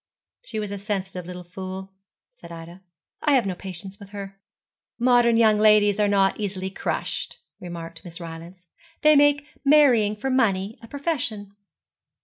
'She was a sensitive little fool,' said Ida; 'I have no patience with her.' 'Modern young ladies are not easily crushed,' remarked Miss Rylance; 'they make marrying for money a profession.'